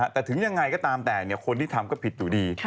แต่ถึงยังไงก็ตามแต่คนที่ทำก็ผิดอยู่ดี